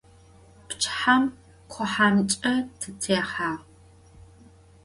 Pçıhem khuhemç'e tıtêhağ.